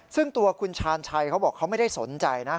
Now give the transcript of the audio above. ซึ่งตัวคุณชาญชัยเขาบอกเขาไม่ได้สนใจนะ